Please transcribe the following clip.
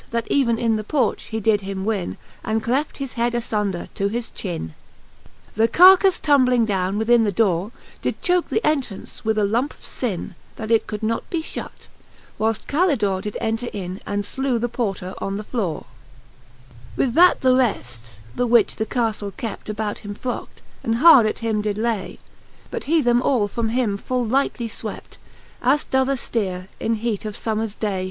That even in the Porch he him did win, And cleft his head afiinder to his chin. The carkafle tumbling downe Avithin the dore Did choke the entraunce with a lumpe of fin, That it could not be fhut, whileft Calidore Did enter in, and flew the Porter on the flore, XXIV. With 214 The fix th Booke of Cant It XXIV. With that the reft, the which the Caftle kept, About him flockt, and hard at him did lay; But he them all from him full lightly fwept, As doth a Stear,, in heat of fommers day.